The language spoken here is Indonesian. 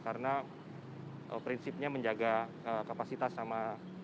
karena prinsipnya menjaga kapasitas sama